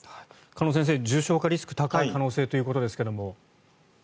鹿野先生重症化リスクが高い可能性ということですけども。